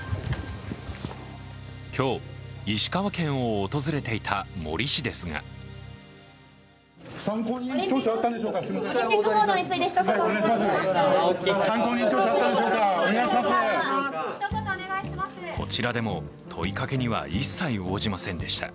今日、石川県を訪れていた森氏ですがこちらでも問いかけには一切応じませんでした。